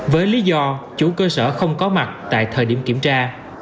với lý do chủ cơ sở không có mặt tại thời điểm kiểm tra